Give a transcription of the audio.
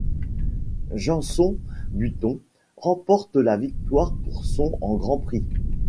Jenson Button remporte la victoire pour son en Grand Prix.